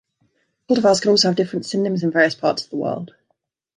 Cultivars can also have different synonyms in various parts of the world.